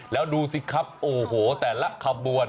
แล้วดูสิครับโอ้โหแต่ละขบวน